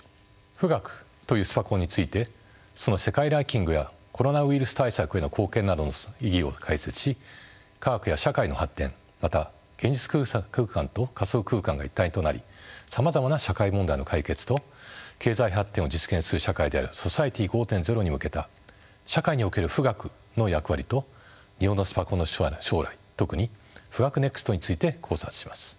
富岳というスパコンについてその世界ランキングやコロナウイルス対策への貢献などの意義を解説し科学や社会の発展また現実空間と仮想空間が一体となりさまざまな社会問題の解決と経済発展を実現する社会であるソサイエティ５．０に向けた社会における富岳の役割と日本のスパコンの将来特にＦｕｇａｋｕＮＥＸＴについて考察します。